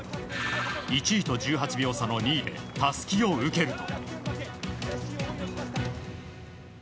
１位と１８秒差の２位でたすきを受けると。